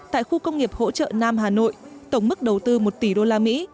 tại khu công nghiệp hỗ trợ nam hà nội tổng mức đầu tư một tỷ đô la mỹ